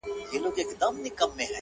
ښار کرار کړي له دې هري شپې یرغله.!